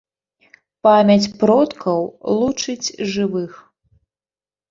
Памяць продкаў лучыць жывых.